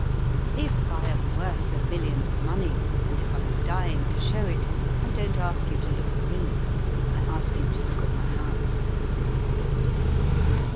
If I am worth a million of money, and if I am dying to show it, I don't ask you to look at me, I ask you to look at my house.